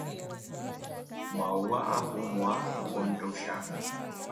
Maua ahumwaa undusha.